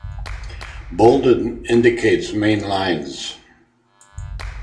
Bolded indicates main lines.